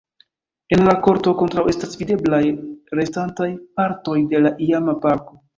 En la korto ankoraŭ estas videblaj restantaj partoj de la iama parko.